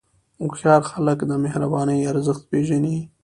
هوښیار خلک د مهربانۍ ارزښت پېژني.